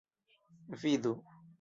Vidu!